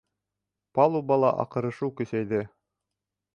Палубала аҡырышыу көсәйҙе.